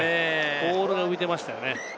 ボールが浮いていましたよね。